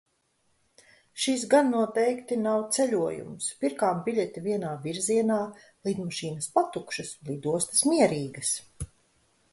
Šis gan noteikti nav ceļojums. Pirkām biļeti vienā virzienā. Lidmašīnas patukšas, lidostas mierīgas.